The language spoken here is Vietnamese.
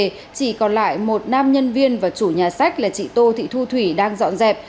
nhà sách vừa ra về chỉ còn lại một nam nhân viên và chủ nhà sách là chị tô thị thu thủy đang dọn dẹp